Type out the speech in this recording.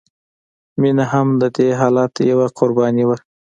مینه هم د دې حالت یوه قرباني وه